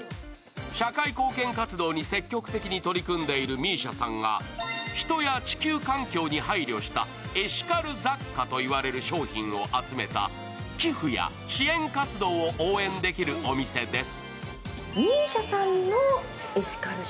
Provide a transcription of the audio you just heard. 社会貢献活動に積極的に取り組んでいるＭＩＳＩＡさんが人や地球環境に配慮したエシカル雑貨といわれる商品を集めた商品を集めた寄付や支援活動を応援できるお店です。